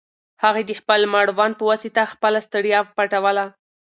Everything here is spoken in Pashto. هغې د خپل مړوند په واسطه خپله ستړیا پټوله.